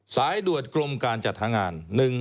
สายดวชกรมการจัดทางาน๑๖๙๔